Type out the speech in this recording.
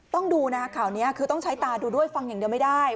ต้องดูนะคะข่าวนี้คือต้องใช้ตาดูด้วยฟังอย่างเดียวไม่ได้